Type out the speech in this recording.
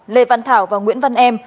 lê văn thảo và nguyễn văn em